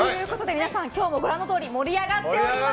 皆さん、今日もご覧のとおり盛り上がってます。